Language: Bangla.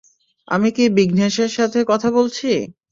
আমি কি বিঘ্নেশের সাথে কথা বলছি?